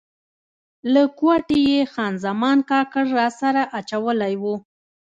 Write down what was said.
له کوټې یې خان زمان کاکړ راسره اچولی و.